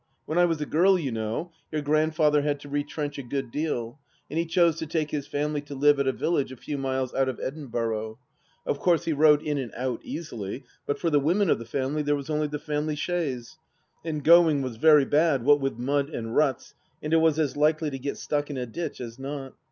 When I was a girl, you know, your grandfather had to retrench a good deal, and he chose to take his family to live at a village a few miles out of Edinburgh. Of course he rode in and out easily, but for the women of the family there was only the family chaise, and going was very bad, what with mud and ruts, and it was as likely to get stuck in a ditch as not.